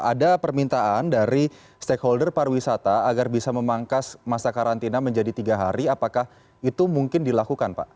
ada permintaan dari stakeholder pariwisata agar bisa memangkas masa karantina menjadi tiga hari apakah itu mungkin dilakukan pak